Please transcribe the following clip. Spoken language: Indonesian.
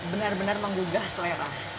benar benar membuka selera